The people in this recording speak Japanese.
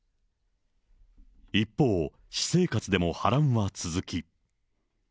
一方、私生活でも波乱は続き。